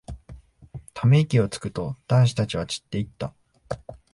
ため息をつくと、男子たちは散っていった。